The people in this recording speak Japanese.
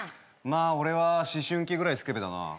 まあ俺は思春期ぐらいスケベだなぁ。